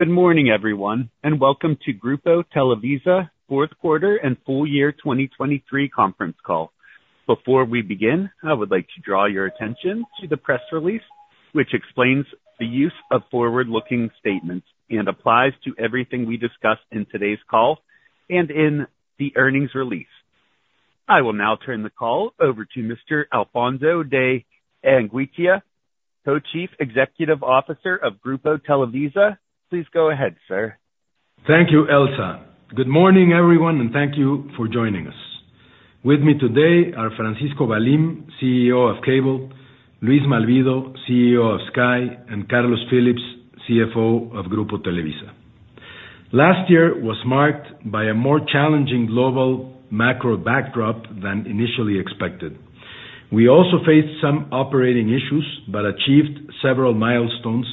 Good morning, everyone, and welcome to Grupo Televisa Fourth Quarter and full year 2023 Conference Call. Before we begin, I would like to draw your attention to the press release, which explains the use of forward-looking statements and applies to everything we discussed in today's call and in the earnings release. I will now turn the call over to Mr. Alfonso de Angoitia, Co-Chief Executive Officer of Grupo Televisa. Please go ahead, sir. Thank you, Elsa. Good morning, everyone, and thank you for joining us. With me today are Francisco Valim, CEO of Cable, Luis Malvido, CEO of Sky, and Carlos Phillips, CFO of Grupo Televisa. Last year was marked by a more challenging global macro backdrop than initially expected. We also faced some operating issues, but achieved several milestones,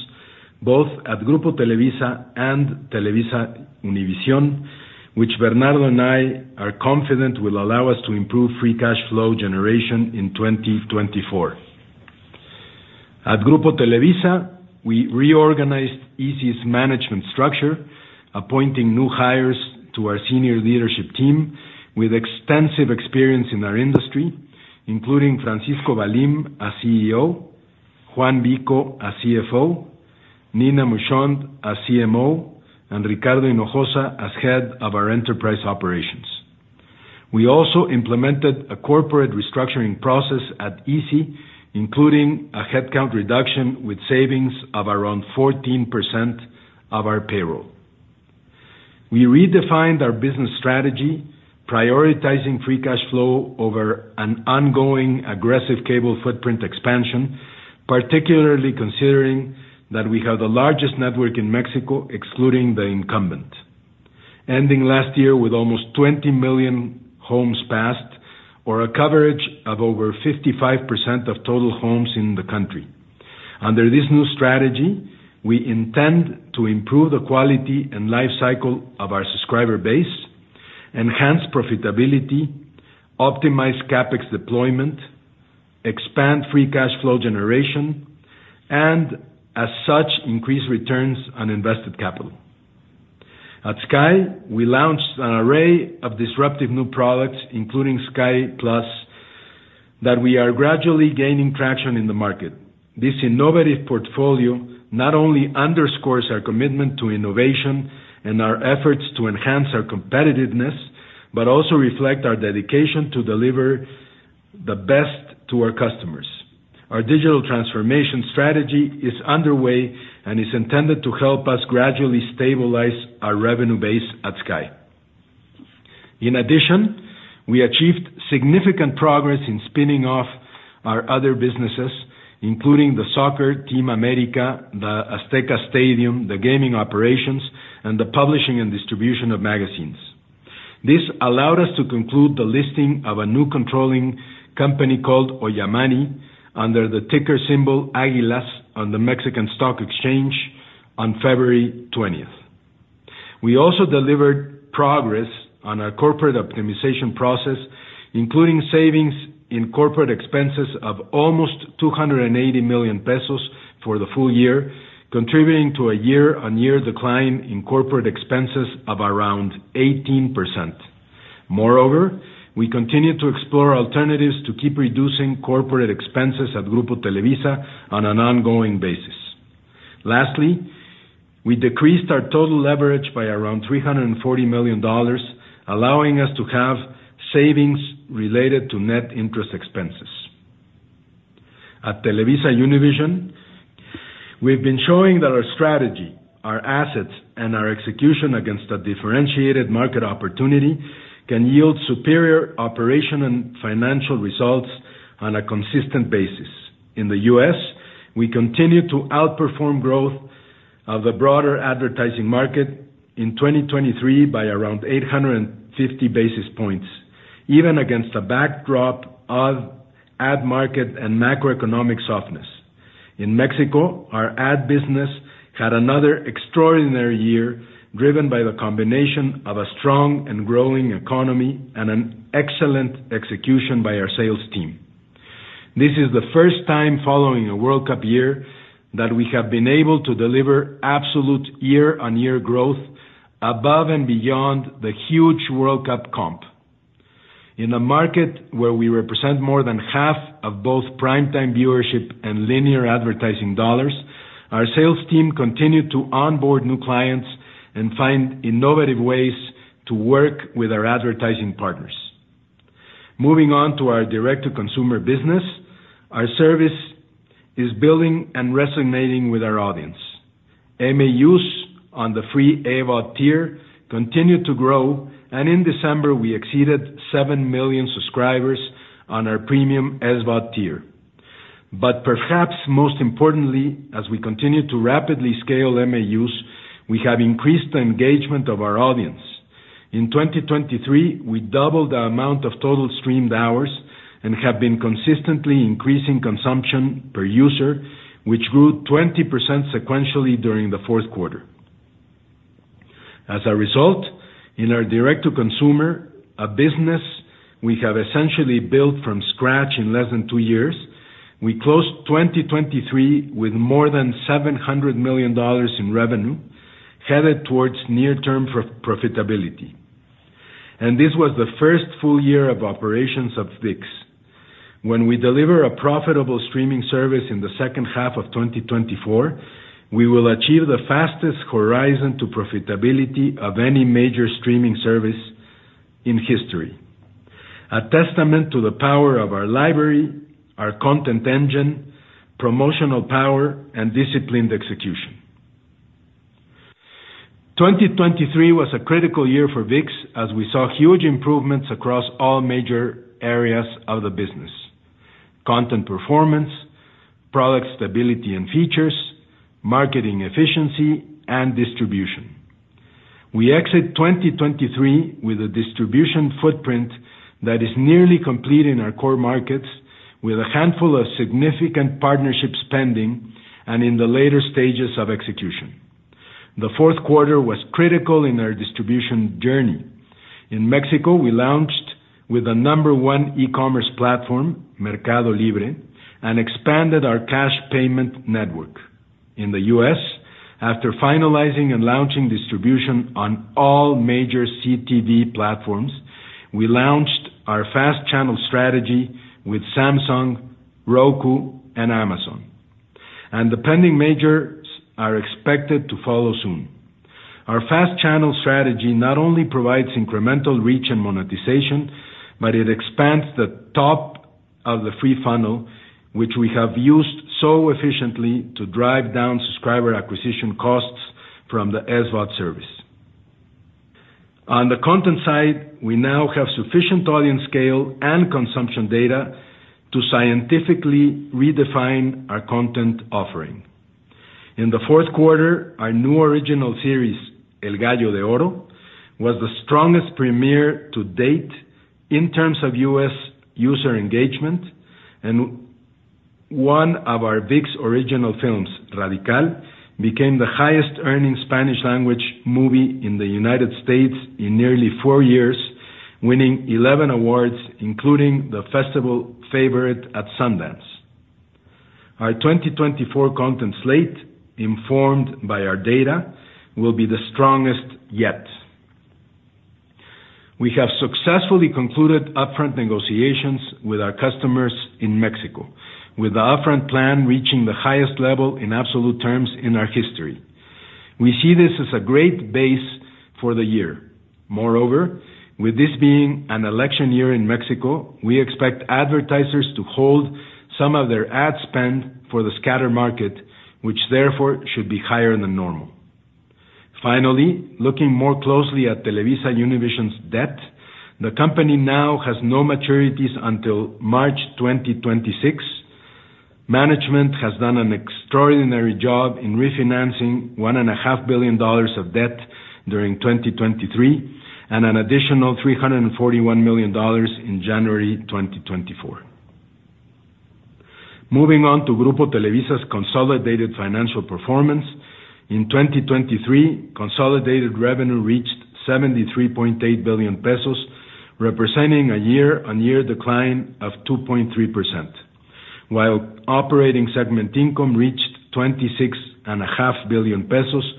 both at Grupo Televisa and TelevisaUnivision, which Bernardo and I are confident will allow us to improve free cash flow generation in 2024. At Grupo Televisa, we reorganized izzi's management structure, appointing new hires to our senior leadership team with extensive experience in our industry, including Francisco Valim as CEO, Juan Vico as CFO, Nina Muncunill as CMO, and Ricardo Hinojosa as head of our enterprise operations. We also implemented a corporate restructuring process at izzi, including a headcount reduction with savings of around 14% of our payroll. We redefined our business strategy, prioritizing free cash flow over an ongoing aggressive cable footprint expansion, particularly considering that we have the largest network in Mexico, excluding the incumbent, ending last year with almost 20 million homes passed or a coverage of over 55% of total homes in the country. Under this new strategy, we intend to improve the quality and life cycle of our subscriber base, enhance profitability, optimize CapEx deployment, expand free cash flow generation, and as such, increase returns on invested capital. At Sky, we launched an array of disruptive new products, including Sky+ that we are gradually gaining traction in the market. This innovative portfolio not only underscores our commitment to innovation and our efforts to enhance our competitiveness, but also reflect our dedication to deliver the best to our customers. Our digital transformation strategy is underway and is intended to help us gradually stabilize our revenue base at Sky. In addition, we achieved significant progress in spinning off our other businesses, including the soccer team, América, the Azteca Stadium, the gaming operations, and the publishing and distribution of magazines. This allowed us to conclude the listing of a new controlling company called Ollamani, under the ticker symbol AGUILAS, on the Mexican Stock Exchange on February twentieth. We also delivered progress on our corporate optimization process, including savings in corporate expenses of almost 280 million pesos for the full year, contributing to a year-on-year decline in corporate expenses of around 18%. Moreover, we continue to explore alternatives to keep reducing corporate expenses at Grupo Televisa on an ongoing basis. Lastly, we decreased our total leverage by around $340 million, allowing us to have savings related to net interest expenses. At TelevisaUnivision, we've been showing that our strategy, our assets, and our execution against a differentiated market opportunity can yield superior operation and financial results on a consistent basis. In the US, we continue to outperform growth of the broader advertising market in 2023 by around 850 basis points, even against a backdrop of ad market and macroeconomic softness. In Mexico, our ad business had another extraordinary year, driven by the combination of a strong and growing economy and an excellent execution by our sales team. This is the first time following a World Cup year that we have been able to deliver absolute year-on-year growth above and beyond the huge World Cup comp. In a market where we represent more than half of both primetime viewership and linear advertising dollars, our sales team continued to onboard new clients and find innovative ways to work with our advertising partners. Moving on to our direct-to-consumer business, our service is building and resonating with our audience. MAUs on the free AVOD tier continued to grow, and in December, we exceeded 7 million subscribers on our premium SVOD tier. But perhaps most importantly, as we continue to rapidly scale MAUs, we have increased the engagement of our audience. In 2023, we doubled the amount of total streamed hours and have been consistently increasing consumption per user, which grew 20% sequentially during the fourth quarter. As a result, in our direct-to-consumer, a business we have essentially built from scratch in less than two years, we closed 2023 with more than $700 million in revenue, headed towards near-term profitability. This was the first full year of operations of ViX. When we deliver a profitable streaming service in the second half of 2024, we will achieve the fastest horizon to profitability of any major streaming service in history. A testament to the power of our library, our content engine, promotional power, and disciplined execution. 2023 was a critical year for ViX, as we saw huge improvements across all major areas of the business: content performance, product stability and features, marketing efficiency, and distribution. We exit 2023 with a distribution footprint that is nearly complete in our core markets, with a handful of significant partnerships pending and in the later stages of execution. The fourth quarter was critical in our distribution journey. In Mexico, we launched with the number one e-commerce platform, Mercado Libre, and expanded our cash payment network. In the U.S., after finalizing and launching distribution on all major CTV platforms, we launched our FAST channel strategy with Samsung, Roku, and Amazon, and the pending majors are expected to follow soon. Our FAST channel strategy not only provides incremental reach and monetization, but it expands the top of the free funnel, which we have used so efficiently to drive down subscriber acquisition costs from the SVOD service. On the content side, we now have sufficient audience scale and consumption data to scientifically redefine our content offering. In the fourth quarter, our new original series, El Gallo de Oro, was the strongest premiere to date in terms of U.S. user engagement, and one of our ViX original films, Radical, became the highest-earning Spanish language movie in the United States in nearly 4 years, winning 11 awards, including the Festival Favorite at Sundance. Our 2024 content slate, informed by our data, will be the strongest yet. We have successfully concluded Upfront negotiations with our customers in Mexico, with the Upfront plan reaching the highest level in absolute terms in our history. We see this as a great base for the year. Moreover, with this being an election year in Mexico, we expect advertisers to hold some of their ad spend for the scatter market, which therefore should be higher than normal. Finally, looking more closely at TelevisaUnivision's debt, the company now has no maturities until March 2026. Management has done an extraordinary job in refinancing $1.5 billion of debt during 2023, and an additional $341 million in January 2024. Moving on to Grupo Televisa's consolidated financial performance. In 2023, consolidated revenue reached 73.8 billion pesos, representing a year-on-year decline of 2.3%, while operating segment income reached 26.5 billion pesos,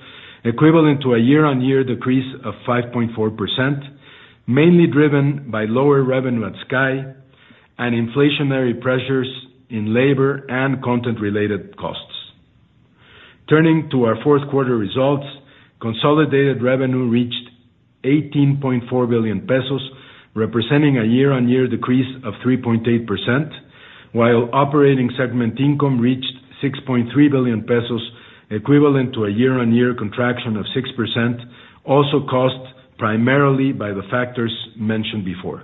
equivalent to a year-on-year decrease of 5.4%, mainly driven by lower revenue at Sky and inflationary pressures in labor and content-related costs. Turning to our fourth quarter results, consolidated revenue reached 18.4 billion pesos, representing a year-on-year decrease of 3.8%, while operating segment income reached 6.3 billion pesos, equivalent to a year-on-year contraction of 6%, also caused primarily by the factors mentioned before.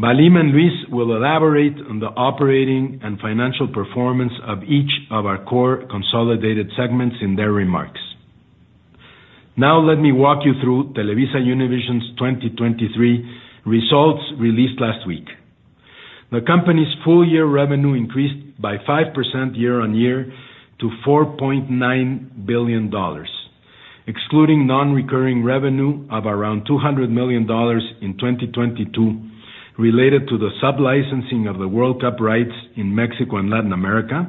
Valim and Luis will elaborate on the operating and financial performance of each of our core consolidated segments in their remarks. Now let me walk you through TelevisaUnivision's 2023 results released last week. The company's full year revenue increased by 5% year-on-year to $4.9 billion. Excluding non-recurring revenue of around $200 million in 2022, related to the sub-licensing of the World Cup rights in Mexico and Latin America,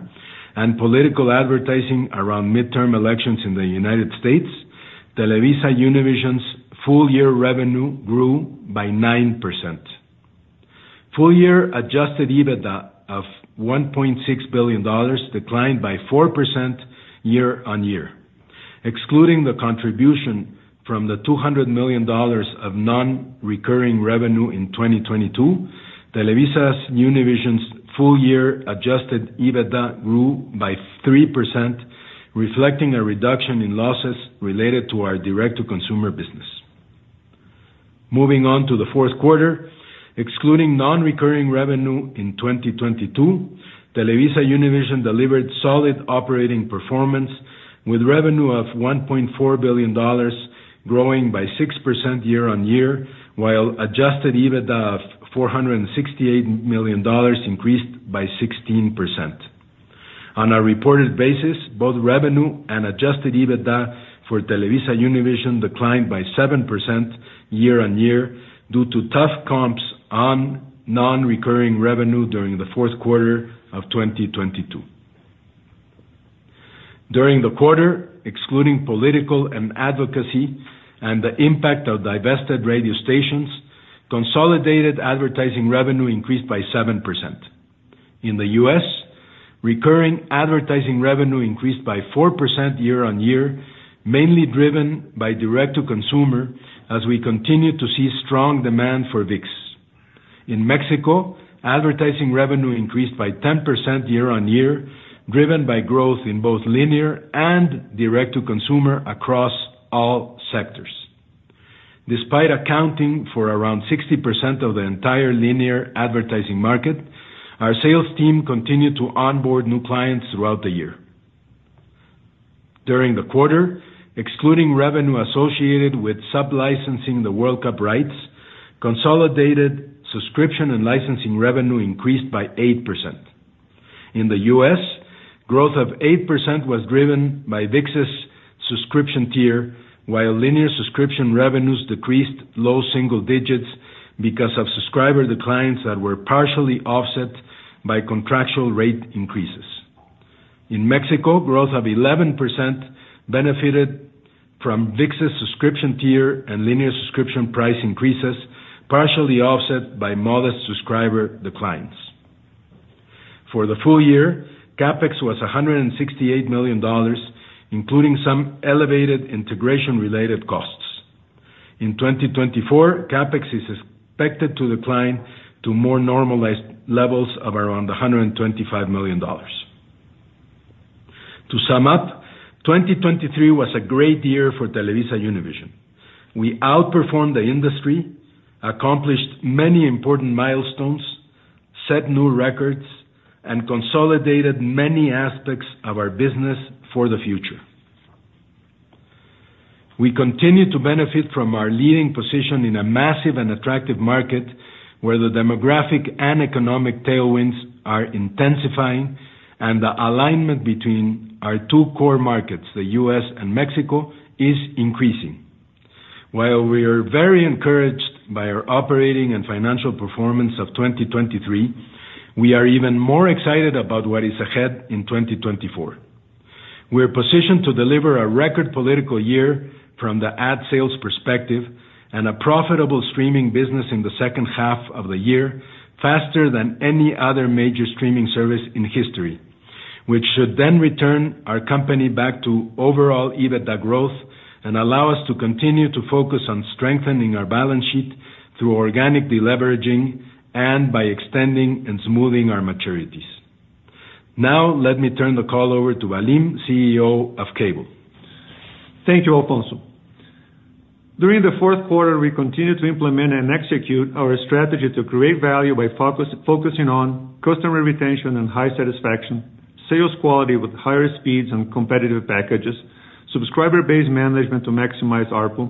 and political advertising around midterm elections in the United States, TelevisaUnivision's full year revenue grew by 9%. Full year Adjusted EBITDA of $1.6 billion declined by 4% year-on-year. Excluding the contribution from the $200 million of non-recurring revenue in 2022, TelevisaUnivision's full year Adjusted EBITDA grew by 3%, reflecting a reduction in losses related to our direct-to-consumer business. Moving on to the fourth quarter. Excluding non-recurring revenue in 2022, TelevisaUnivision delivered solid operating performance, with revenue of $1.4 billion, growing by 6% year-on-year, while Adjusted EBITDA of $468 million increased by 16%. On a reported basis, both revenue and Adjusted EBITDA for TelevisaUnivision declined by 7% year-on-year due to tough comps on non-recurring revenue during the fourth quarter of 2022. During the quarter, excluding political and advocacy and the impact of divested radio stations, consolidated advertising revenue increased by 7%. In the U.S., recurring advertising revenue increased by 4% year-on-year, mainly driven by direct-to-consumer, as we continue to see strong demand for ViX. In Mexico, advertising revenue increased by 10% year-on-year, driven by growth in both linear and direct-to-consumer across all sectors. Despite accounting for around 60% of the entire linear advertising market, our sales team continued to onboard new clients throughout the year. During the quarter, excluding revenue associated with sub-licensing the World Cup rights, consolidated subscription and licensing revenue increased by 8%. In the U.S., growth of 8% was driven by ViX's subscription tier, while linear subscription revenues decreased low single digits because of subscriber declines that were partially offset by contractual rate increases. In Mexico, growth of 11% benefited from ViX's subscription tier and linear subscription price increases, partially offset by modest subscriber declines. For the full year, CapEx was $168 million, including some elevated integration-related costs. In 2024, CapEx is expected to decline to more normalized levels of around $125 million. To sum up, 2023 was a great year for TelevisaUnivision. We outperformed the industry, accomplished many important milestones, set new records, and consolidated many aspects of our business for the future. We continue to benefit from our leading position in a massive and attractive market, where the demographic and economic tailwinds are intensifying and the alignment between our two core markets, the U.S. and Mexico, is increasing. While we are very encouraged by our operating and financial performance of 2023, we are even more excited about what is ahead in 2024. We are positioned to deliver a record political year from the ad sales perspective, and a profitable streaming business in the second half of the year, faster than any other major streaming service in history, which should then return our company back to overall EBITDA growth and allow us to continue to focus on strengthening our balance sheet through organic deleveraging and by extending and smoothing our maturities. Now, let me turn the call over to Valim, CEO of Cable. Thank you, Alfonso. During the fourth quarter, we continued to implement and execute our strategy to create value by focusing on customer retention and high satisfaction, sales quality with higher speeds and competitive packages, subscriber-based management to maximize ARPU,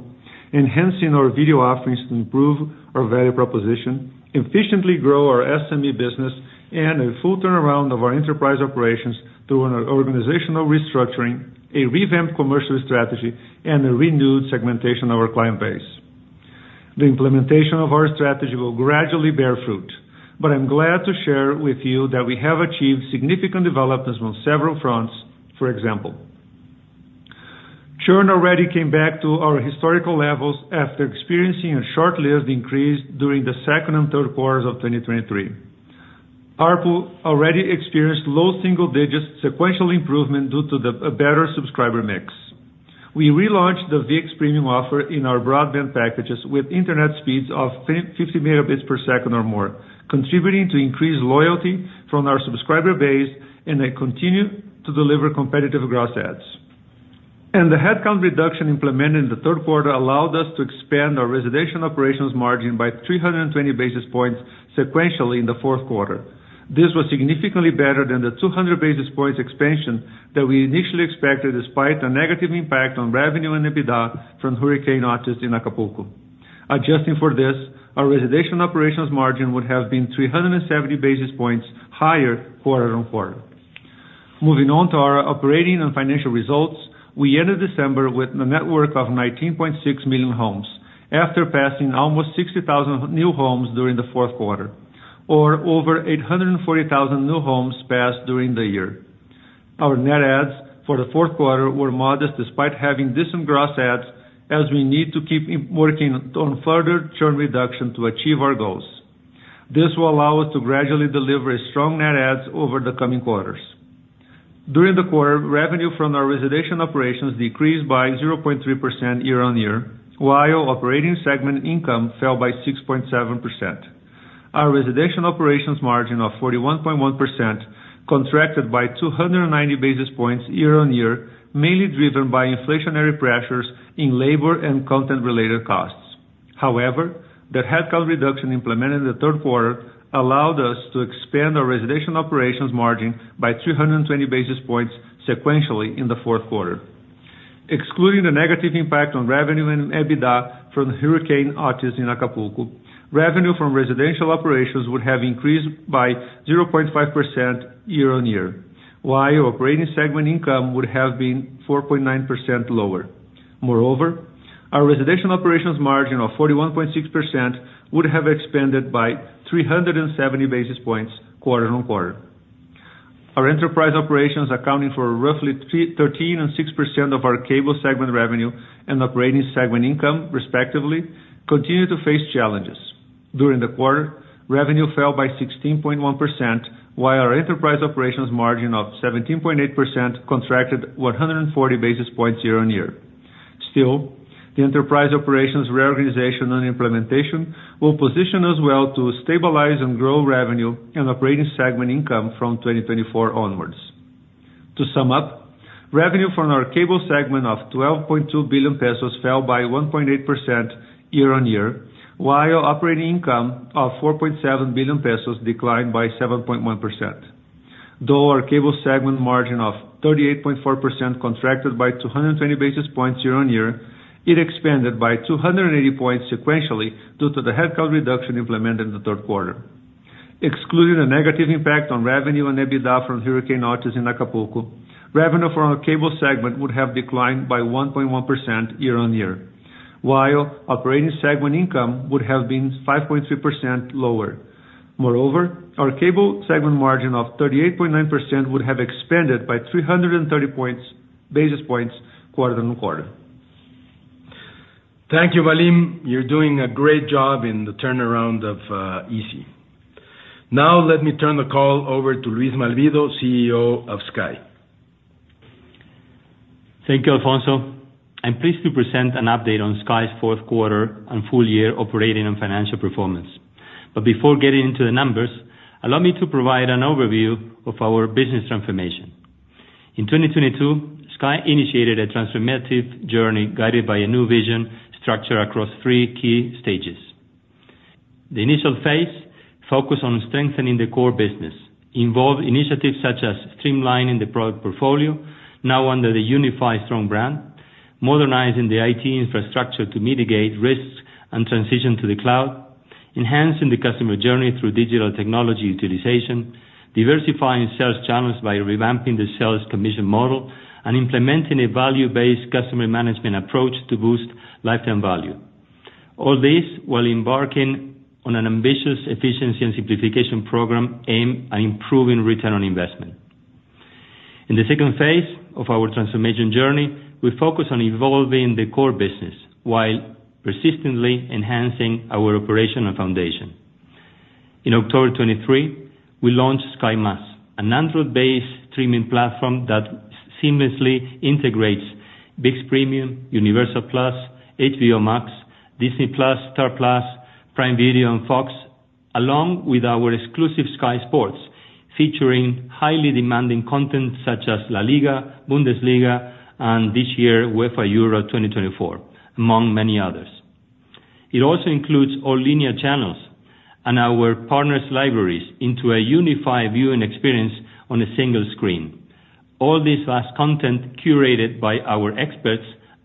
enhancing our video offerings to improve our value proposition, efficiently grow our SME business, and a full turnaround of our enterprise operations through an organizational restructuring, a revamped commercial strategy, and a renewed segmentation of our client base. The implementation of our strategy will gradually bear fruit, but I'm glad to share with you that we have achieved significant developments on several fronts. For example, churn already came back to our historical levels after experiencing a short-lived increase during the second and third quarters of 2023. ARPU already experienced low single digits sequential improvement due to a better subscriber mix. We relaunched the ViX Premium offer in our broadband packages with internet speeds of 10-50 Mbps or more, contributing to increased loyalty from our subscriber base, and they continue to deliver competitive gross adds. The headcount reduction implemented in the third quarter allowed us to expand our residential operations margin by 320 basis points sequentially in the fourth quarter. This was significantly better than the 200 basis points expansion that we initially expected, despite a negative impact on revenue and EBITDA from Hurricane Otis in Acapulco. Adjusting for this, our residential operations margin would have been 370 basis points higher quarter-over-quarter. Moving on to our operating and financial results, we ended December with a network of 19.6 million homes, after passing almost 60,000 new homes during the fourth quarter, or over 840,000 new homes passed during the year. Our net adds for the fourth quarter were modest, despite having decent gross adds, as we need to keep working on further churn reduction to achieve our goals. This will allow us to gradually deliver strong net adds over the coming quarters. During the quarter, revenue from our residential operations decreased by 0.3% year-on-year, while operating segment income fell by 6.7%. Our residential operations margin of 41.1% contracted by 290 basis points year-on-year, mainly driven by inflationary pressures in labor and content-related costs. However, the headcount reduction implemented in the third quarter allowed us to expand our residential operations margin by 320 basis points sequentially in the fourth quarter, excluding the negative impact on revenue and EBITDA from Hurricane Otis in Acapulco, revenue from residential operations would have increased by 0.5% year-on-year, while operating segment income would have been 4.9% lower. Moreover, our residential operations margin of 41.6% would have expanded by 370 basis points quarter on quarter. Our enterprise operations, accounting for roughly 13% and 6% of our cable segment revenue and operating segment income, respectively, continue to face challenges. During the quarter, revenue fell by 16.1%, while our enterprise operations margin of 17.8% contracted 140 basis points year-on-year. Still, the enterprise operations reorganization and implementation will position us well to stabilize and grow revenue and operating segment income from 2024 onwards. To sum up, revenue from our cable segment of 12.2 billion pesos fell by 1.8% year-on-year, while operating income of 4.7 billion pesos declined by 7.1%. Though our cable segment margin of 38.4% contracted by 220 basis points year-on-year, it expanded by 280 points sequentially due to the headcount reduction implemented in the third quarter. Excluding the negative impact on revenue and EBITDA from Hurricane Otis in Acapulco, revenue from our cable segment would have declined by 1.1% year-on-year, while operating segment income would have been 5.3% lower. Moreover, our cable segment margin of 38.9% would have expanded by 300 basis points quarter-on-quarter. Thank you, Valim. You're doing a great job in the turnaround of, izzi. Now let me turn the call over to Luis Malvido, CEO of Sky. Thank you, Alfonso. I'm pleased to present an update on Sky's fourth quarter and full year operating and financial performance. Before getting into the numbers, allow me to provide an overview of our business transformation. In 2022, Sky initiated a transformative journey, guided by a new vision structured across three key stages. The initial phase, focused on strengthening the core business, involved initiatives such as streamlining the product portfolio, now under the unified Sky brand, modernizing the IT infrastructure to mitigate risks and transition to the cloud, enhancing the customer journey through digital technology utilization, diversifying sales channels by revamping the sales commission model, and implementing a value-based customer management approach to boost lifetime value. All this while embarking on an ambitious efficiency and simplification program aimed at improving return on investment. In the second phase of our transformation journey, we focus on evolving the core business, while persistently enhancing our operational foundation. In October 2023, we launched Sky+, an Android-based streaming platform that seamlessly integrates ViX Premium, Universal+, HBO Max, Disney+, Star+, Prime Video, and Fox, along with our exclusive Sky Sports, featuring highly demanding content such as LaLiga, Bundesliga, and this year, UEFA Euro 2024, among many others. It also includes all linear channels and our partners' libraries into a unified viewing experience on a single screen. All this vast content curated by our experts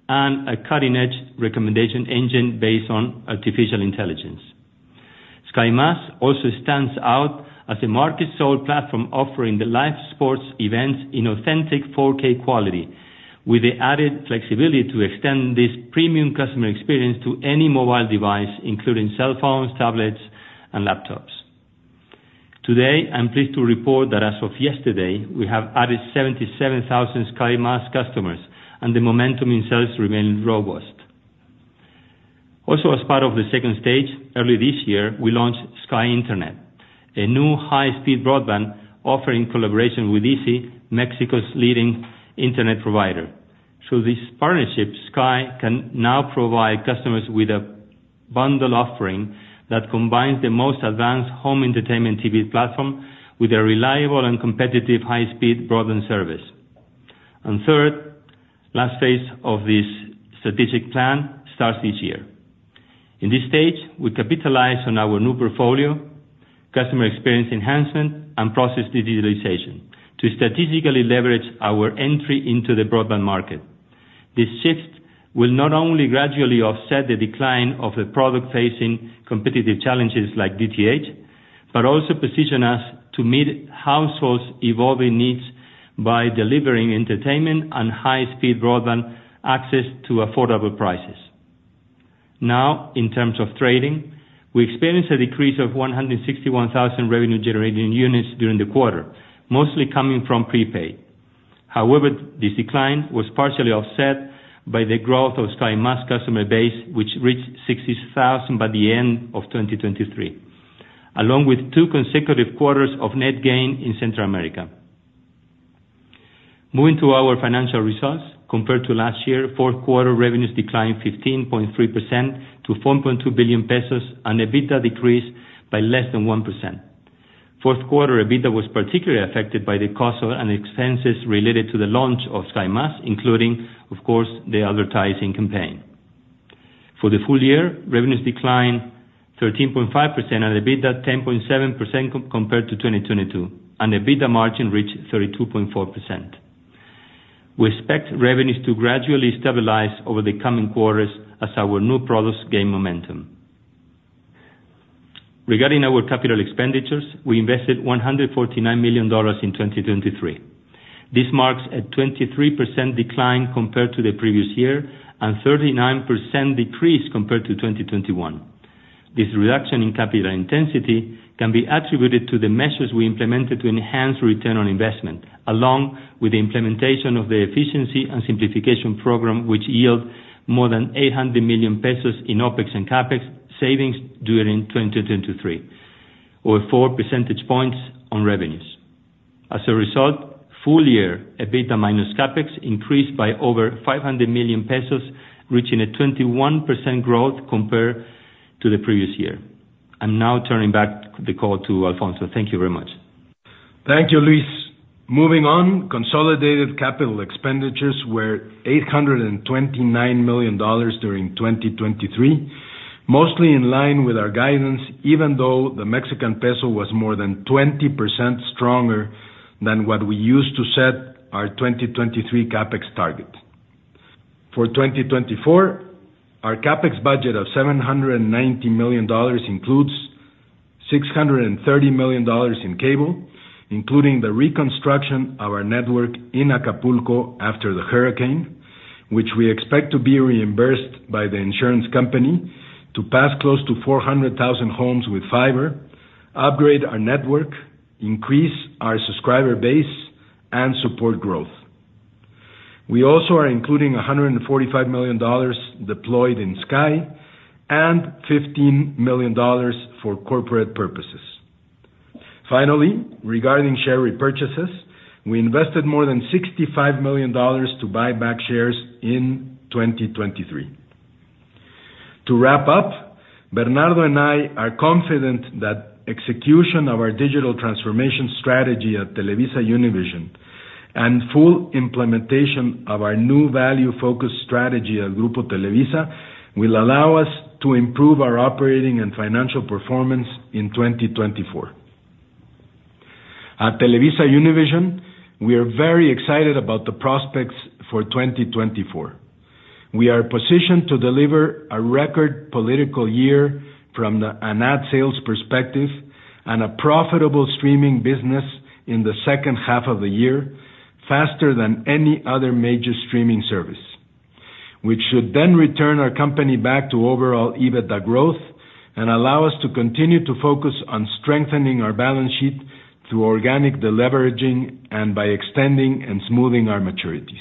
and a cutting-edge recommendation engine based on artificial intelligence. Sky+ also stands out as a market sole platform, offering the live sports events in authentic 4K quality, with the added flexibility to extend this premium customer experience to any mobile device, including cell phones, tablets, and laptops. Today, I'm pleased to report that as of yesterday, we have added 77,000 Sky+ customers, and the momentum in sales remains robust. Also, as part of the second stage, early this year, we launched Sky Internet, a new high-speed broadband offering collaboration with izzi, Mexico's leading internet provider. Through this partnership, Sky can now provide customers with a bundle offering that combines the most advanced home entertainment TV platform with a reliable and competitive high-speed broadband service. And third, last phase of this strategic plan starts this year. In this stage, we capitalize on our new portfolio, customer experience enhancement, and process digitalization to strategically leverage our entry into the broadband market. This shift will not only gradually offset the decline of the product facing competitive challenges like DTH, but also position us to meet households' evolving needs by delivering entertainment and high-speed broadband access to affordable prices. Now, in terms of trading, we experienced a decrease of 161,000 revenue-generating units during the quarter, mostly coming from prepaid. However, this decline was partially offset by the growth of Sky+ customer base, which reached 60,000 by the end of 2023, along with two consecutive quarters of net gain in Central America. Moving to our financial results, compared to last year, fourth quarter revenues declined 15.3% to 4.2 billion pesos, and EBITDA decreased by less than 1%. Fourth quarter EBITDA was particularly affected by the costs and expenses related to the launch of Sky+, including, of course, the advertising campaign. For the full year, revenues declined 13.5% and EBITDA 10.7% compared to 2022, and EBITDA margin reached 32.4%. We expect revenues to gradually stabilize over the coming quarters as our new products gain momentum. Regarding our capital expenditures, we invested $149 million in 2023. This marks a 23% decline compared to the previous year and 39% decrease compared to 2021. This reduction in capital intensity can be attributed to the measures we implemented to enhance return on investment, along with the implementation of the efficiency and simplification program, which yield more than 800 million pesos in OpEx and CapEx savings during 2023, or 4 percentage points on revenues. As a result, full year, EBITDA minus CapEx increased by over 500 million pesos, reaching a 21% growth compared to the previous year. I'm now turning back the call to Alfonso. Thank you very much. Thank you, Luis. Moving on, consolidated capital expenditures were $829 million during 2023, mostly in line with our guidance, even though the Mexican peso was more than 20% stronger than what we used to set our 2023 CapEx target. For 2024, our CapEx budget of $790 million includes $630 million in cable, including the reconstruction of our network in Acapulco after the hurricane, which we expect to be reimbursed by the insurance company to pass close to 400,000 homes with fiber, upgrade our network, increase our subscriber base, and support growth. We also are including $145 million deployed in Sky and $15 million for corporate purposes. Finally, regarding share repurchases, we invested more than $65 million to buy back shares in 2023. To wrap up, Bernardo and I are confident that execution of our digital transformation strategy at TelevisaUnivision and full implementation of our new value-focused strategy at Grupo Televisa will allow us to improve our operating and financial performance in 2024. At TelevisaUnivision, we are very excited about the prospects for 2024. We are positioned to deliver a record political year from an ad sales perspective and a profitable streaming business in the second half of the year, faster than any other major streaming service, which should then return our company back to overall EBITDA growth and allow us to continue to focus on strengthening our balance sheet through organic deleveraging and by extending and smoothing our maturities.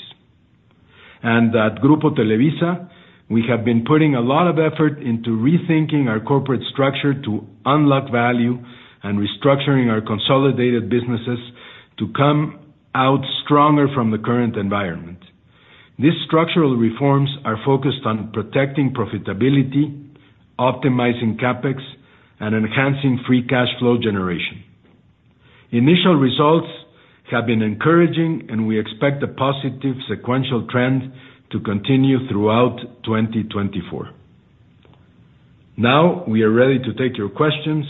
At Grupo Televisa, we have been putting a lot of effort into rethinking our corporate structure to unlock value and restructuring our consolidated businesses to come out stronger from the current environment. These structural reforms are focused on protecting profitability, optimizing CapEx, and enhancing free cash flow generation. Initial results have been encouraging, and we expect a positive sequential trend to continue throughout 2024. Now, we are ready to take your questions.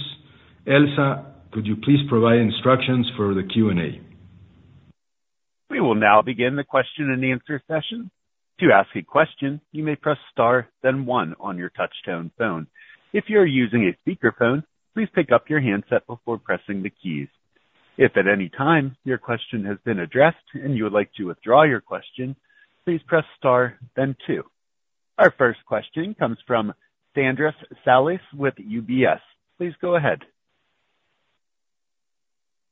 Elsa, could you please provide instructions for the Q&A? We will now begin the question-and-answer session. To ask a question, you may press star then one on your touchtone phone. If you are using a speakerphone, please pick up your handset before pressing the keys. If at any time your question has been addressed and you would like to withdraw your question, please press star then two. Our first question comes from Andrés Coello with Scotiabank. Please go ahead.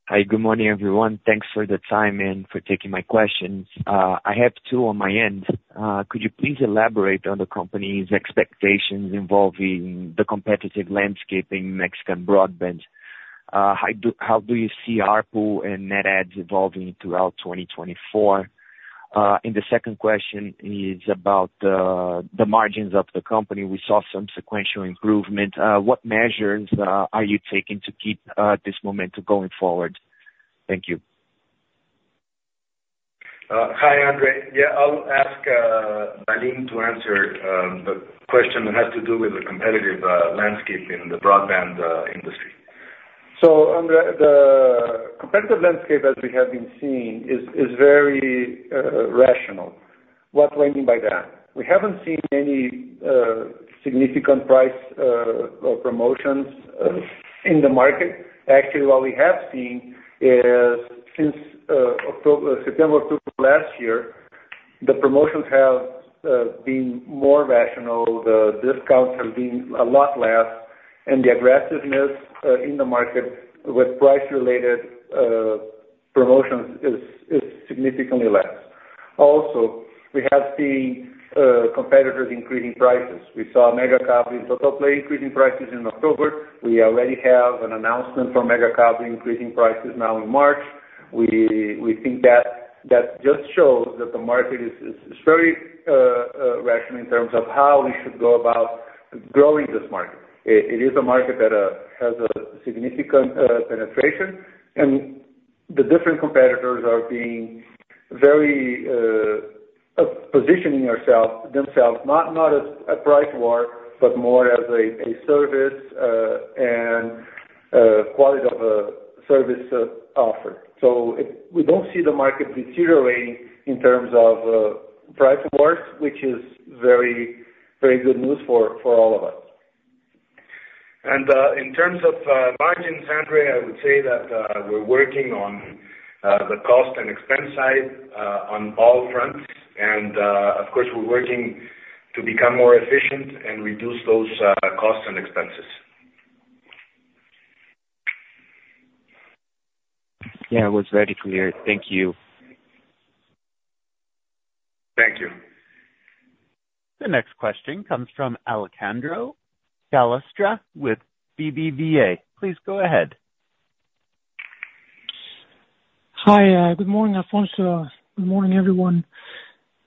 Hi, good morning, everyone. Thanks for the time and for taking my questions. I have two on my end. Could you please elaborate on the company's expectations involving the competitive landscape in Mexican broadband? How do you see ARPU and net adds evolving throughout 2024? And the second question is about the margins of the company. We saw some sequential improvement. What measures are you taking to keep this momentum going forward? Thank you. Hi, Andrés. Yeah, I'll ask Valim to answer the question that has to do with the competitive landscape in the broadband industry. So Andrés, the competitive landscape, as we have been seeing, is very rational. What do I mean by that? We haven't seen any significant price or promotions in the market. Actually, what we have seen is, since September of last year, the promotions have been more rational, the discounts have been a lot less, and the aggressiveness in the market with price-related promotions is significantly less. Also, we have seen competitors increasing prices. We saw Megacable and Totalplay increasing prices in October. We already have an announcement from Megacable increasing prices now in March. We think that just shows that the market is very rational in terms of how we should go about growing this market. It is a market that has a significant penetration, and- ...The different competitors are being very positioning themselves, not as a price war, but more as a service and quality of service offered. So we don't see the market deteriorating in terms of price wars, which is very, very good news for all of us. And in terms of margins, Andrés, I would say that we're working on the cost and expense side on all fronts. And of course, we're working to become more efficient and reduce those costs and expenses. Yeah, it was very clear. Thank you. Thank you. The next question comes from Alejandro Gallostra with BBVA. Please go ahead. Hi, good morning, Alfonso. Good morning, everyone.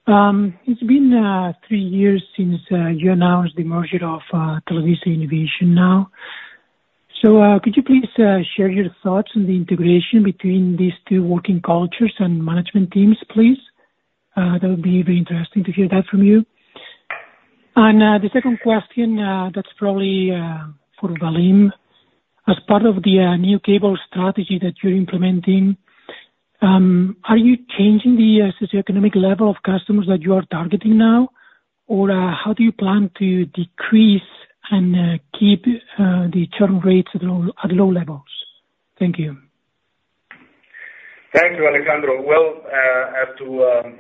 It's been three years since you announced the merger of TelevisaUnivision now. So, could you please share your thoughts on the integration between these two working cultures and management teams, please? That would be very interesting to hear that from you. The second question, that's probably for Valim. As part of the new cable strategy that you're implementing, are you changing the socioeconomic level of customers that you are targeting now? Or, how do you plan to decrease and keep the churn rates at low, at low levels? Thank you. Thank you, Alejandro. Well, as to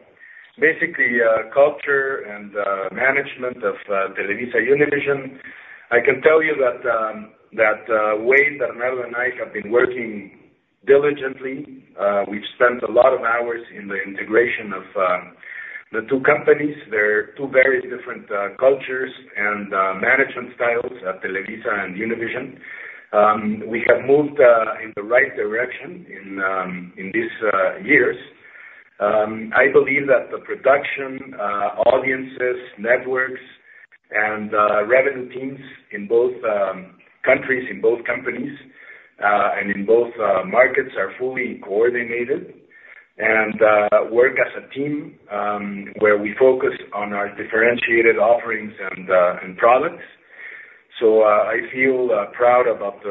basically culture and management of TelevisaUnivision, I can tell you that Wade, Bernardo and I have been working diligently. We've spent a lot of hours in the integration of the two companies. They're two very different cultures and management styles at Televisa and Univision. We have moved in the right direction in these years. I believe that the production audiences, networks and revenue teams in both countries, in both companies, and in both markets, are fully coordinated and work as a team where we focus on our differentiated offerings and products. So, I feel proud about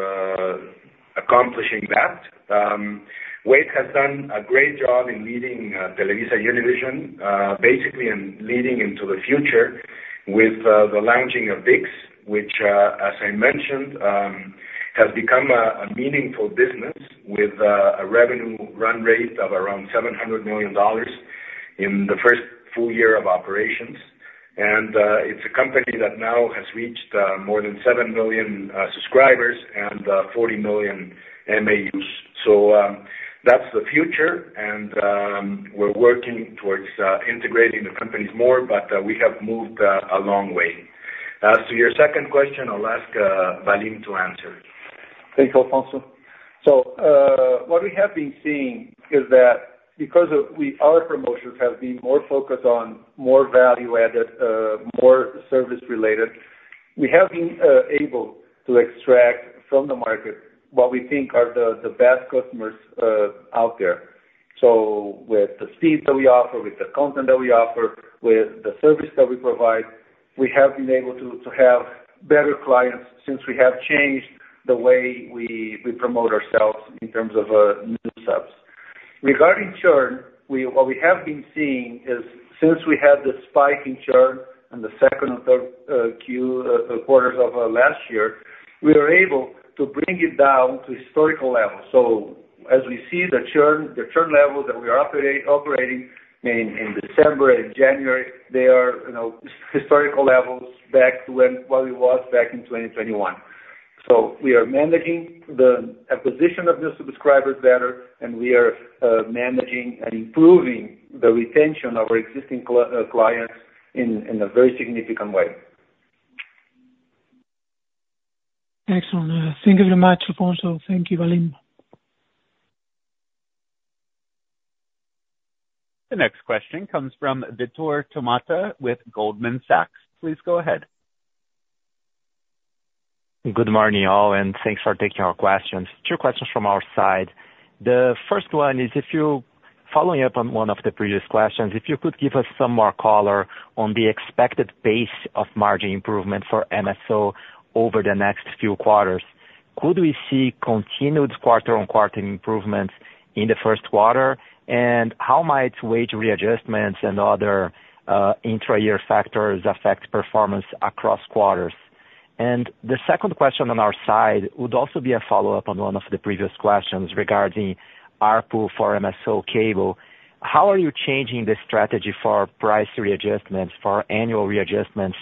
accomplishing that. Wade has done a great job in leading, TelevisaUnivision, basically, and leading into the future with, the launching of ViX, which, as I mentioned, has become a meaningful business with, a revenue run rate of around $700 million in the first full year of operations. It's a company that now has reached, more than 7 million subscribers and, 40 million MAUs. That's the future, and, we're working towards, integrating the companies more, but, we have moved, a long way. As to your second question, I'll ask, Valim to answer. Thanks, Alfonso. So, what we have been seeing is that because we, our promotions have been more focused on more value-added, more service-related, we have been able to extract from the market what we think are the best customers out there. So with the speeds that we offer, with the content that we offer, with the service that we provide, we have been able to have better clients since we have changed the way we promote ourselves in terms of new subs. Regarding churn, what we have been seeing is, since we had the spike in churn in the second and third quarters of last year, we were able to bring it down to historical levels. So as we see the churn, the churn levels that we are operating in, in December and January, they are, you know, historical levels back to when, what it was back in 2021. So we are managing the acquisition of new subscribers better, and we are managing and improving the retention of our existing clients in a very significant way. Excellent. Thank you very much, Alfonso. Thank you, Valim. The next question comes from Vitor Tomita with Goldman Sachs. Please go ahead. Good morning, all, and thanks for taking our questions. 2 questions from our side. The first one is, if you, following up on one of the previous questions, if you could give us some more color on the expected pace of margin improvement for MSO over the next few quarters. Could we see continued quarter-on-quarter improvements in the first quarter? And how might wage readjustments and other, intra-year factors affect performance across quarters? And the second question on our side would also be a follow-up on one of the previous questions regarding ARPU for MSO Cable. How are you changing the strategy for price readjustments, for annual readjustments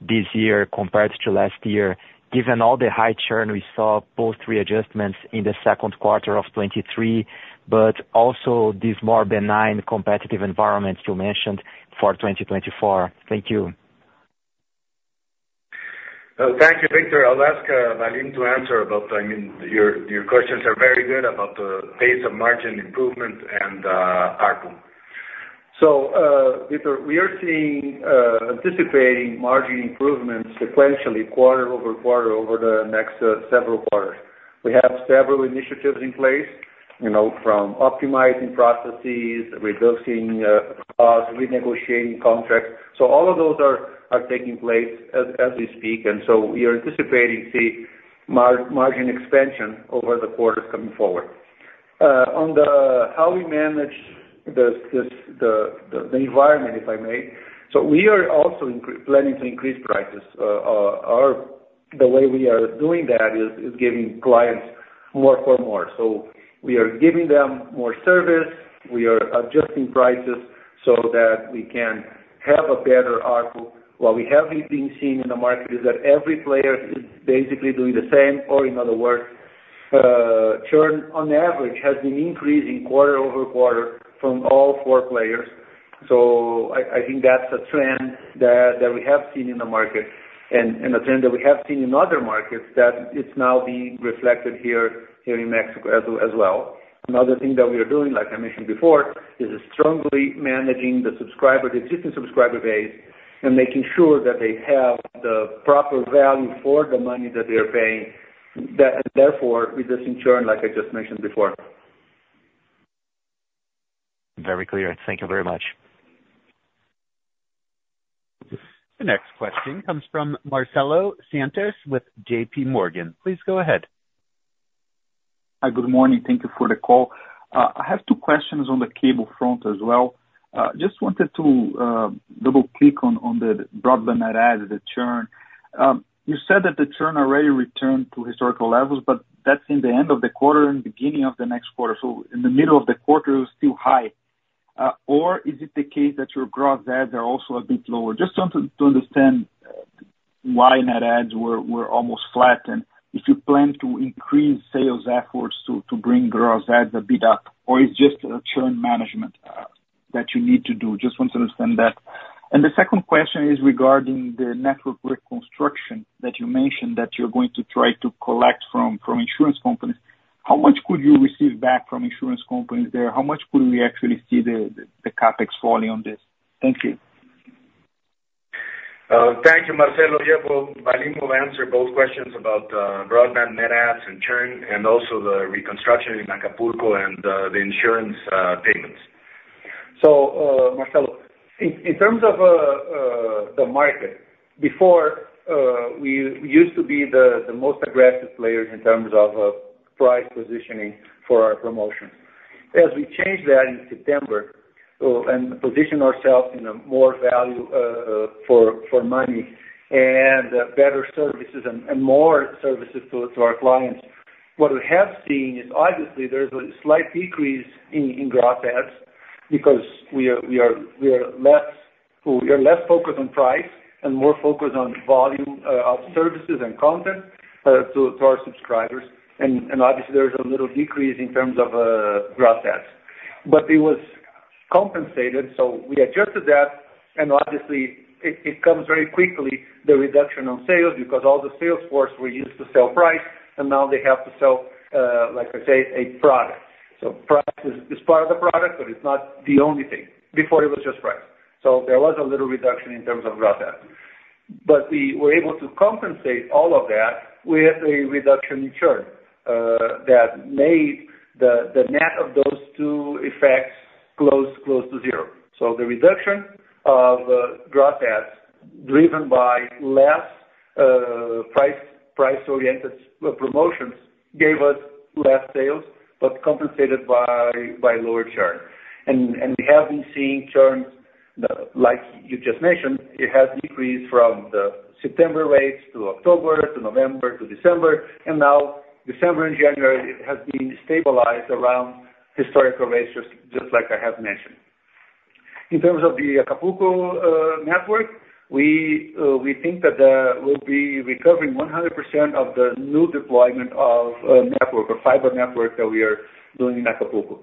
this year compared to last year? Given all the high churn we saw, post readjustments in the second quarter of 2023, but also these more benign competitive environments you mentioned for 2024. Thank you. Thank you, Victor. I'll ask Valim to answer about... I mean, your questions are very good about the pace of margin improvement and ARPU. .So, Vitor, we are seeing, anticipating margin improvements sequentially, quarter over quarter, over the next, several quarters. We have several initiatives in place, you know, from optimizing processes, reducing, costs, renegotiating contracts. So all of those are taking place as, as we speak, and so we are anticipating to see margin expansion over the quarters coming forward. On the, how we manage the, the environment, if I may. So we are also planning to increase prices. Our, the way we are doing that is, giving clients more for more. So we are giving them more service, we are adjusting prices so that we can have a better output. What we have been seeing in the market is that every player is basically doing the same, or in other words, churn on average has been increasing quarter-over-quarter from all four players. So I think that's a trend that we have seen in the market and a trend that we have seen in other markets that it's now being reflected here in Mexico as well. Another thing that we are doing, like I mentioned before, is strongly managing the existing subscriber base and making sure that they have the proper value for the money that they are paying, and therefore reducing churn, like I just mentioned before. Very clear. Thank you very much. The next question comes from Marcelo Santos with J.P. Morgan. Please go ahead. Hi, good morning. Thank you for the call. I have two questions on the cable front as well. Just wanted to double click on the broadband net add, the churn. You said that the churn already returned to historical levels, but that's in the end of the quarter and beginning of the next quarter, so in the middle of the quarter, it's still high. Or is it the case that your gross adds are also a bit lower? Just want to understand why net adds were almost flat, and if you plan to increase sales efforts to bring gross adds a bit up, or it's just a churn management that you need to do? Just want to understand that. The second question is regarding the network reconstruction that you mentioned, that you're going to try to collect from insurance companies. How much could you receive back from insurance companies there? How much could we actually see the CapEx falling on this? Thank you. Thank you, Marcelo. Yeah, I will answer both questions about broadband net adds and churn, and also the reconstruction in Acapulco and the insurance payments. So, Marcelo, in terms of the market, before we used to be the most aggressive players in terms of price positioning for our promotions. As we changed that in September and position ourselves in a more value for money and better services and more services to our clients, what we have seen is obviously there's a slight decrease in gross adds because we are less focused on price and more focused on volume of services and content to our subscribers. And obviously, there's a little decrease in terms of gross adds. But it was compensated, so we adjusted that, and obviously it, it comes very quickly, the reduction on sales, because all the sales force were used to sell price, and now they have to sell, like I say, a product. So price is, is part of the product, but it's not the only thing. Before it was just price. So there was a little reduction in terms of gross adds. But we were able to compensate all of that with a reduction in churn, that made the, the net of those two effects close, close to zero. So the reduction of gross adds, driven by less price, price-oriented promotions, gave us less sales, but compensated by, by lower churn. We have been seeing churn, like you just mentioned, it has decreased from the September rates to October, to November to December, and now December and January, it has been stabilized around historical rates, just like I have mentioned. In terms of the Acapulco network, we think that we'll be recovering 100% of the new deployment of network, the fiber network that we are doing in Acapulco.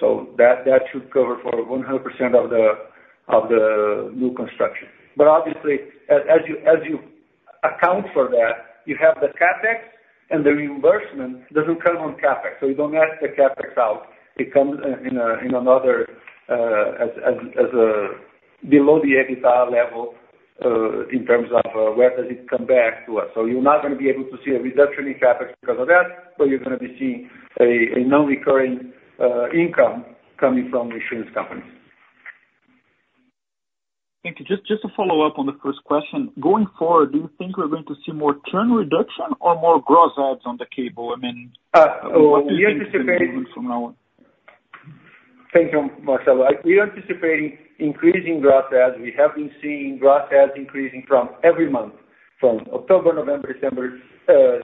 So that should cover for 100% of the new construction. But obviously, as you account for that, you have the CapEx, and the reimbursement doesn't count on CapEx, so you don't ask the CapEx out. It comes in another as a below the EBITDA level, in terms of where does it come back to us. So you're not gonna be able to see a reduction in CapEx because of that, but you're gonna be seeing a non-recurring income coming from insurance companies. Thank you. Just, just to follow up on the first question. Going forward, do you think we're going to see more churn reduction or more gross adds on the cable? I mean- We are anticipating- From now on. Thank you, Marcelo. We are anticipating increasing gross adds. We have been seeing gross adds increasing from every month, from October, November, December,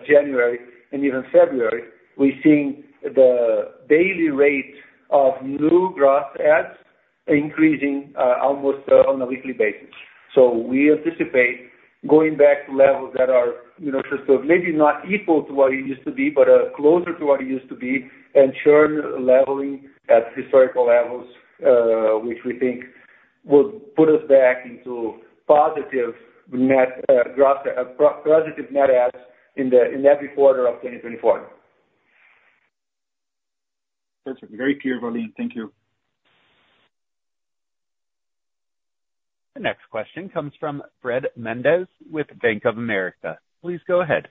January and even February. We're seeing the daily rate of new gross adds increasing almost on a weekly basis. So we anticipate going back to levels that are, you know, just maybe not equal to what it used to be, but closer to what it used to be, and churn leveling at historical levels, which we think would put us back into positive net adds in every quarter of 2024. ...Perfect. Very clear, Valim. Thank you. The next question comes from Fred Mendes with Bank of America. Please go ahead.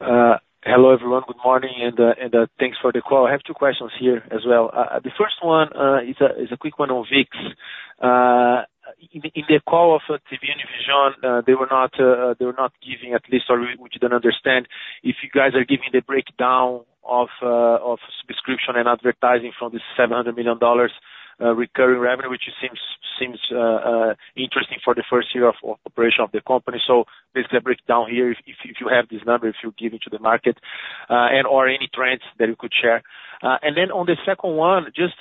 Hello, everyone. Good morning, and, and, thanks for the call. I have two questions here as well. The first one is a quick one on ViX. In the call of TelevisaUnivision, they were not giving at least or we didn't understand if you guys are giving the breakdown of subscription and advertising from the $700 million recurring revenue, which seems interesting for the first year of operation of the company. So basically a breakdown here, if you have this number, if you give it to the market, and or any trends that you could share. And then on the second one, just,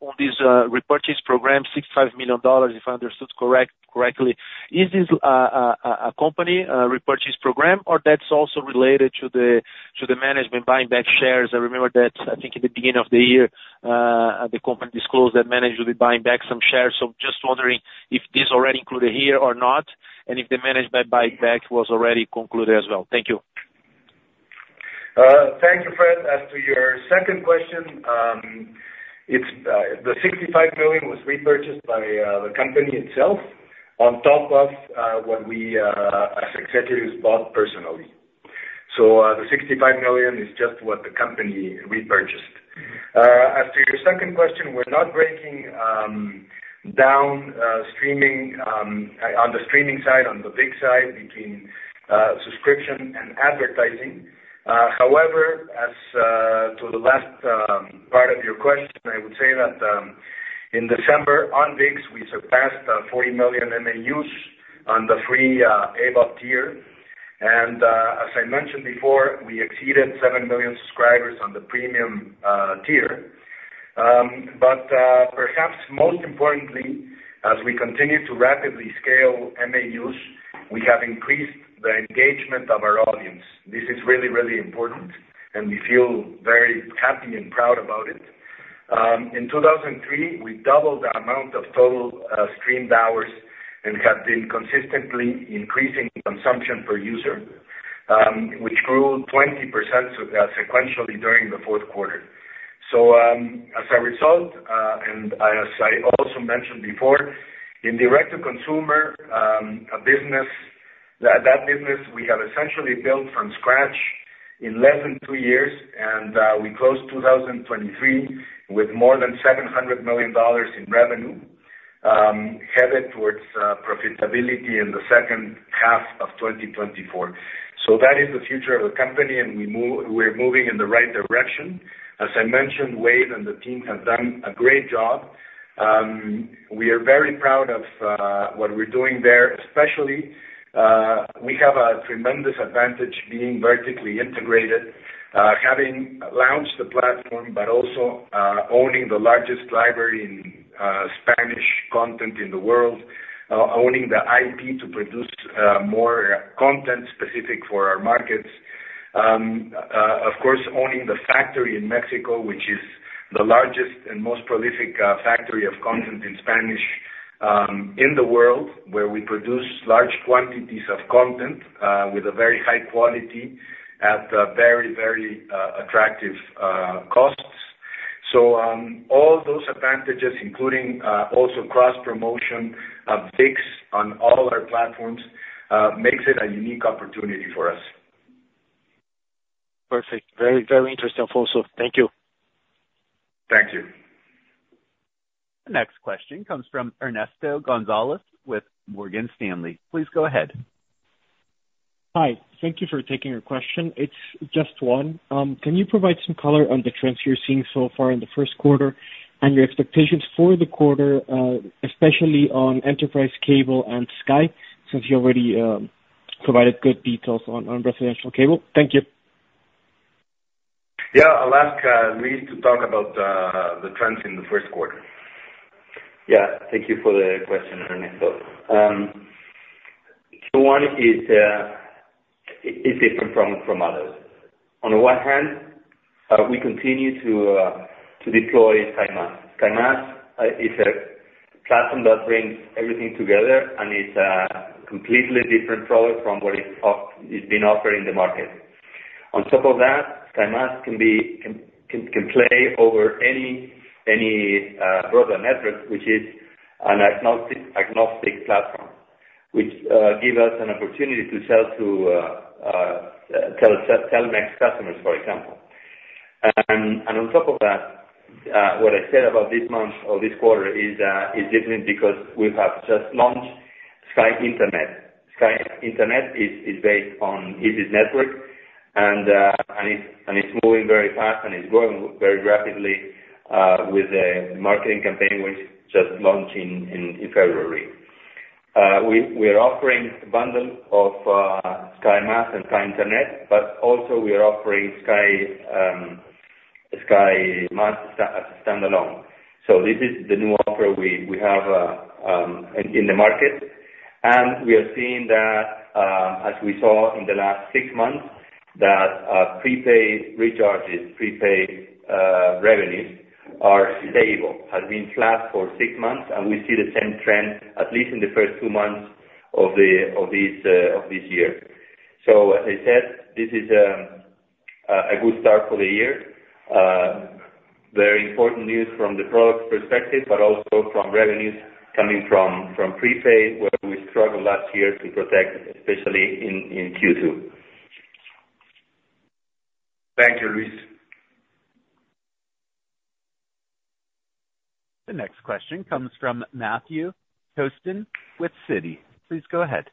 on this, repurchase program, $65 million, if I understood correctly, is this, a, a company, repurchase program, or that's also related to the, to the management buying back shares? I remember that, I think in the beginning of the year, the company disclosed that management will be buying back some shares. So just wondering if this already included here or not, and if the management buyback was already concluded as well. Thank you. Thank you, Fred. As to your second question, it's the 65 million was repurchased by the company itself, on top of what we as executives bought personally. So, the 65 million is just what the company repurchased. As to your second question, we're not breaking down streaming on the streaming side, on the ViX side, between subscription and advertising. However, as to the last part of your question, I would say that in December, on ViX, we surpassed 40 million MAUs on the free AVOD tier. And as I mentioned before, we exceeded 7 million subscribers on the premium tier. But perhaps most importantly, as we continue to rapidly scale MAUs, we have increased the engagement of our audience. This is really, really important, and we feel very happy and proud about it. In 2023, we doubled the amount of total streamed hours and have been consistently increasing consumption per user, which grew 20% sequentially during the fourth quarter. So, as a result, and as I also mentioned before, in direct-to-consumer, a business that business we have essentially built from scratch in less than two years, and, we closed 2023 with more than $700 million in revenue, headed towards profitability in the second half of 2024. So that is the future of the company, and we're moving in the right direction. As I mentioned, Wade and the team have done a great job. We are very proud of what we're doing there, especially, we have a tremendous advantage being vertically integrated, having launched the platform, but also, owning the largest library in Spanish content in the world. Owning the IP to produce more content specific for our markets. Of course, owning the factory in Mexico, which is the largest and most prolific factory of content in Spanish in the world, where we produce large quantities of content with a very high quality at very, very attractive costs. So, all those advantages, including also cross-promotion of ViX on all our platforms, makes it a unique opportunity for us. Perfect. Very, very interesting also. Thank you. Thank you. The next question comes from Ernesto González with Morgan Stanley. Please go ahead. Hi, thank you for taking our question. It's just one. Can you provide some color on the trends you're seeing so far in the first quarter and your expectations for the quarter, especially on enterprise cable and Sky, since you already provided good details on residential cable? Thank you. Yeah, I'll ask Luis to talk about the trends in the first quarter. Yeah, thank you for the question, Ernesto. So one is different from others. On one hand, we continue to deploy Sky+. Sky+ is a platform that brings everything together, and it's a completely different product from what is being offered in the market. On top of that, Sky+ can play over any broadband network, which is an agnostic platform, which give us an opportunity to sell to Telmex customers, for example. And on top of that, what I said about this month or this quarter is different because we have just launched Sky Internet. Sky Internet is based on izzi network, and it's moving very fast, and it's growing very rapidly, with the marketing campaign, which just launched in February. We are offering a bundle of Sky+ and Sky Internet, but also we are offering Sky, Sky+ as standalone. So this is the new offer we have in the market, and we are seeing that, as we saw in the last six months, that prepaid recharges, prepaid revenues are stable, has been flat for six months, and we see the same trend, at least in the first two months-... of this year. So as I said, this is a good start for the year. Very important news from the product perspective, but also from revenues coming from prepaid, where we struggled last year to protect, especially in Q2. Thank you, Luis. The next question comes from Matheus Costa with Citi. Please go ahead.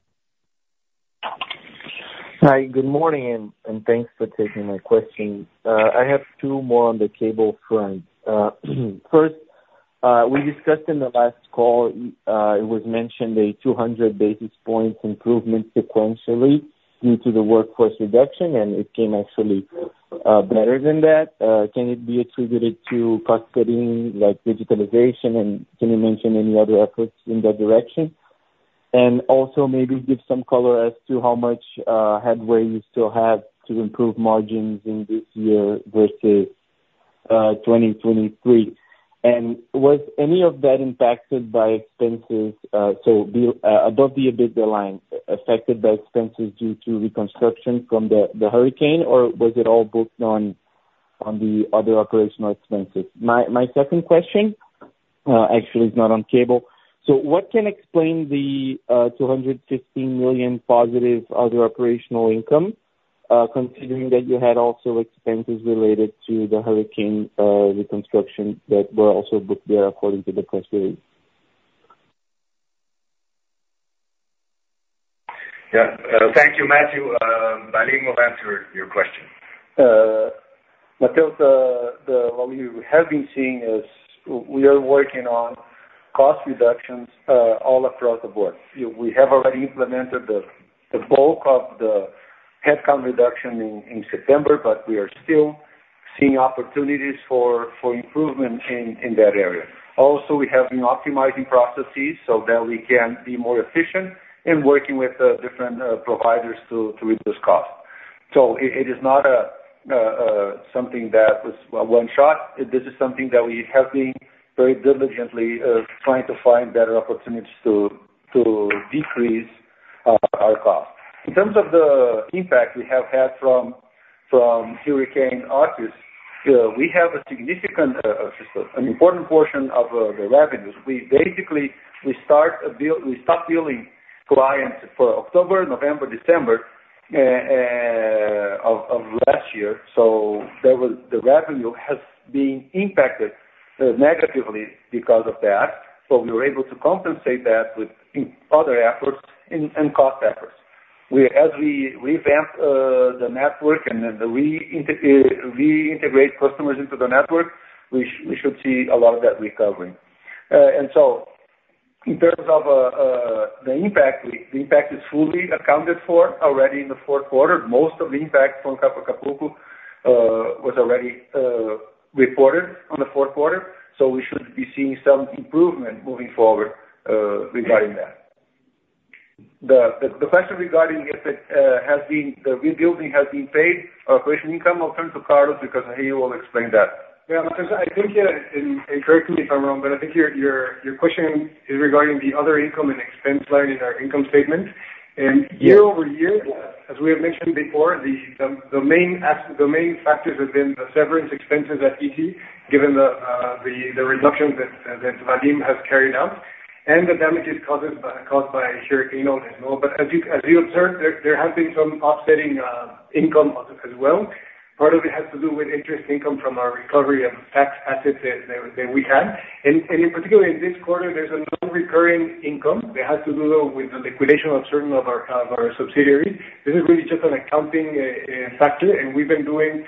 Hi, good morning, and thanks for taking my questions. I have two more on the cable front. First, we discussed in the last call, it was mentioned a 200 basis points improvement sequentially due to the workforce reduction, and it came actually better than that. Can it be attributed to cost cutting, like digitalization? And can you mention any other efforts in that direction? And also maybe give some color as to how much headway you still have to improve margins in this year versus 2023. And was any of that impacted by expenses, so the above the EBITDA line, affected by expenses due to reconstruction from the hurricane, or was it all booked on the other operational expenses? My second question actually is not on cable. What can explain the 215 million positive other operational income, considering that you had also expenses related to the hurricane reconstruction that were also booked there according to the press release? Yeah. Thank you, Matheus. Valim will answer your question. Matheus, what we have been seeing is we are working on cost reductions all across the board. We have already implemented the bulk of the headcount reduction in September, but we are still seeing opportunities for improvement in that area. Also, we have been optimizing processes so that we can be more efficient in working with different providers to reduce costs. So it is not something that was one shot. This is something that we have been very diligently trying to find better opportunities to decrease our costs. In terms of the impact we have had from Hurricane Otis, we have a significant important portion of the revenues. We basically stop billing clients for October, November, December of last year, so the revenue has been impacted negatively because of that, but we were able to compensate that within other efforts and cost efforts. As we revamp the network and then we integrate customers into the network, we should see a lot of that recovering. And so in terms of the impact, the impact is fully accounted for already in the fourth quarter. Most of the impact from Acapulco was already reported on the fourth quarter, so we should be seeing some improvement moving forward regarding that. The question regarding if it has been, the rebuilding has been paid operating income, I'll turn to Carlos, because he will explain that. Yeah, Matheus, I think, and correct me if I'm wrong, but I think your question is regarding the other income and expense line in our income statement. Yes. Year-over-year, as we have mentioned before, the main factors have been the severance expenses at ET, given the reduction that Valim has carried out, and the damages caused by Hurricane Otis. But as you observed, there have been some offsetting income as well. Part of it has to do with interest income from our recovery of tax assets that we had. And in particular, in this quarter, there's a non-recurring income that has to do with the liquidation of certain of our subsidiaries. This is really just an accounting factor, and we've been doing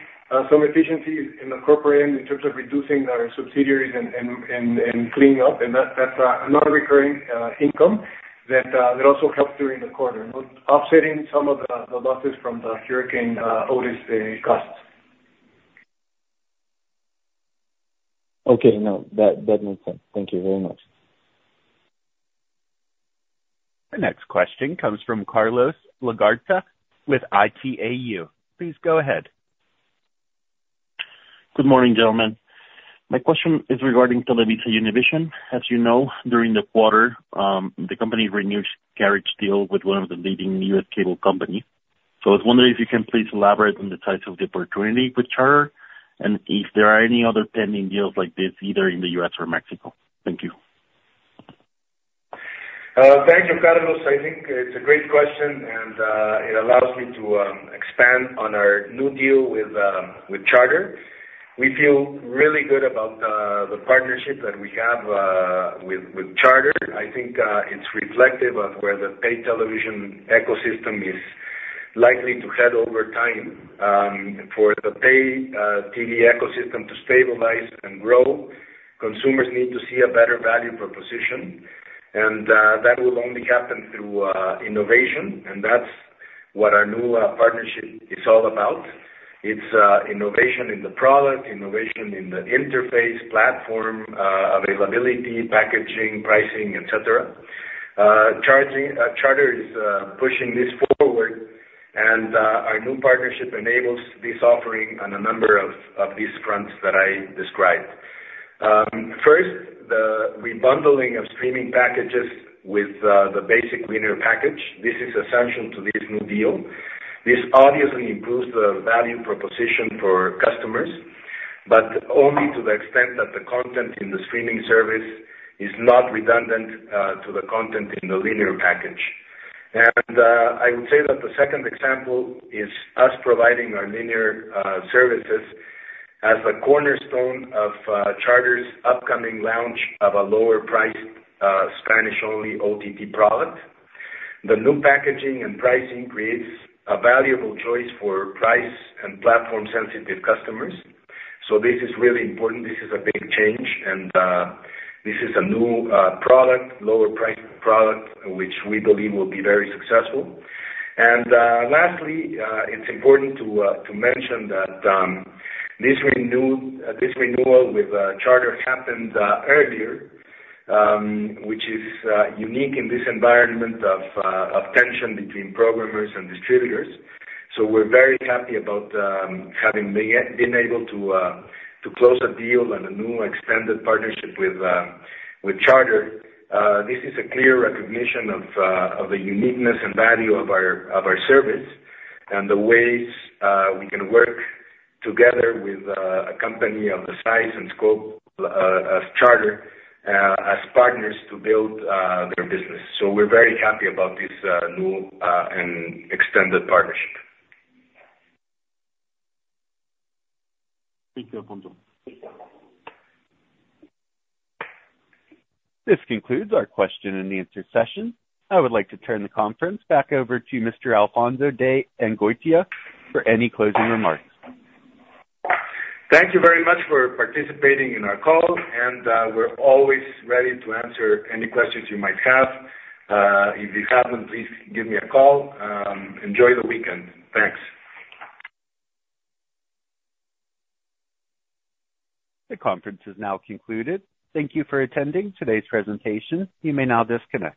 some efficiencies in the corporate end in terms of reducing our subsidiaries and cleaning up. And that's another recurring income that also helped during the quarter, offsetting some of the losses from the Hurricane Otis costs. Okay. No, that, that makes sense. Thank you very much. The next question comes from Carlos Legarreta with Itaú. Please go ahead. Good morning, gentlemen. My question is regarding TelevisaUnivision. As you know, during the quarter, the company renewed its carriage deal with one of the leading U.S. cable company. So I was wondering if you can please elaborate on the size of the opportunity with Charter, and if there are any other pending deals like this, either in the U.S. or Mexico. Thank you. Thank you, Carlos. I think it's a great question, and it allows me to expand on our new deal with Charter. We feel really good about the partnership that we have with Charter. I think it's reflective of where the paid television ecosystem is likely to head over time. For the pay TV ecosystem to stabilize and grow, consumers need to see a better value proposition, and that will only happen through innovation, and that's what our new partnership is all about. It's innovation in the product, innovation in the interface platform, availability, packaging, pricing, et cetera. Charter is pushing this forward, and our new partnership enables this offering on a number of these fronts that I described. First, the rebundling of streaming packages with the basic linear package. This is essential to this new deal. This obviously improves the value proposition for customers, but only to the extent that the content in the streaming service is not redundant to the content in the linear package. And I would say that the second example is us providing our linear services as a cornerstone of Charter's upcoming launch of a lower priced Spanish-only OTT product. The new packaging and pricing creates a valuable choice for price and platform-sensitive customers. So this is really important. This is a big change, and this is a new product, lower-priced product, which we believe will be very successful. And lastly, it's important to mention that this renewal with Charter happened earlier, which is unique in this environment of tension between programmers and distributors. So we're very happy about having been able to close a deal and a new extended partnership with Charter. This is a clear recognition of the uniqueness and value of our service and the ways we can work together with a company of the size and scope as Charter as partners to build their business. So we're very happy about this new and extended partnership. Thank you, Alfonso. This concludes our question and answer session. I would like to turn the conference back over to Mr. Alfonso de Angoitia for any closing remarks. Thank you very much for participating in our call, and we're always ready to answer any questions you might have. If you have them, please give me a call. Enjoy the weekend. Thanks. The conference is now concluded. Thank you for attending today's presentation. You may now disconnect.